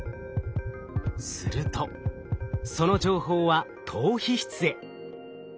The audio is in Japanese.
するとその情報は島皮質へ。